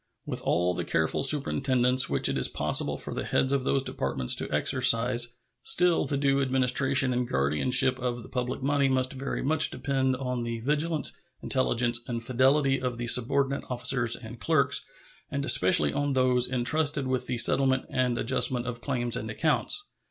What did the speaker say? With all the careful superintendence which it is possible for the heads of those Departments to exercise, still the due administration and guardianship of the public money must very much depend on the vigilance, intelligence, and fidelity of the subordinate officers and clerks, and especially on those intrusted with the settlement and adjustment of claims and accounts.